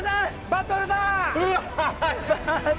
バトルだ！